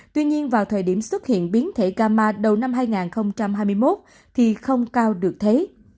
tuy nhiên vào thời điểm xuất hiện biến thể ga ma đầu năm hai nghìn hai mươi một thì không cao được thế